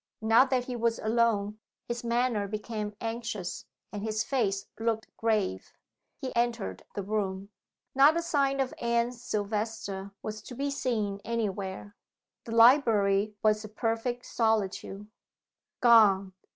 Now that he was alone, his manner became anxious, and his face looked grave. He entered the room. Not a sign of Anne Silvester was to be seen any where. The library was a perfect solitude. "Gone!"